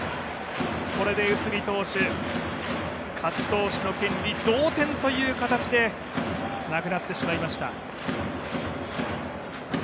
これで内海投手、勝ち投手の権利、同点という形でなくなってしまいました。